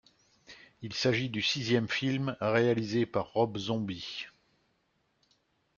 Il s'agit du sixième film réalisé par Rob Zombie.